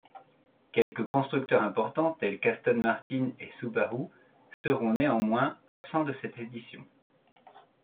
Quelques constructeurs importants tels qu’Aston Martin ou Subaru seront néanmoins absents de cette édition.